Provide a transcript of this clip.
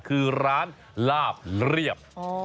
คือร้านลาบเรียบ